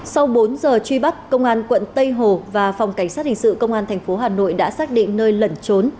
sau bốn giờ truy bắt công an quận tây hồ và phòng cảnh sát hình sự công an tp hà nội đã xác định nơi lẩn trốn